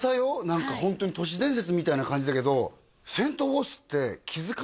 何かホントに都市伝説みたいな感じだけどいやいや